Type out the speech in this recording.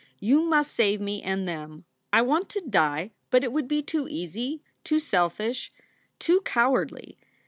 You must save me and them. I want to die, but it would be too easy, too selfish, too cowardly.